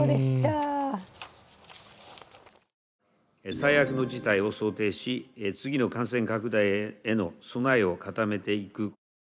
最悪の事態を想定し次の感染拡大への備えを固めていく。